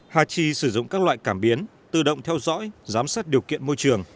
hachi sử dụng các loại cảm biến tự động theo dõi giám sát điều kiện môi trường